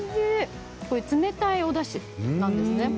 冷たいおだしなんですね。